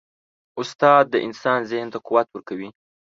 استاد د انسان ذهن ته قوت ورکوي.